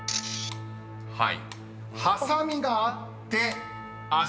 ［はい。